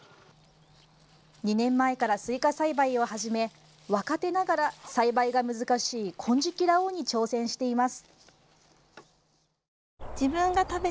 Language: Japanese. ２年前からスイカ栽培を始め若手ながら、栽培が難しい金色羅皇に挑戦しています。